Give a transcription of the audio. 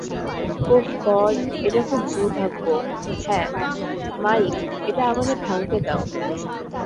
ওহ God এটা খুব দুর্ভাগ্য, - হ্যাঁ, মাইক এটা আমাকে ভাঙতে দেও।